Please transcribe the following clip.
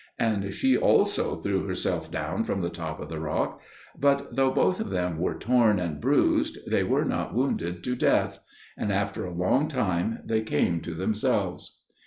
And she also threw herself down from the top of the rock; but though both of them were torn and bruised, they were not wounded to death. And after a long time they came to themselves.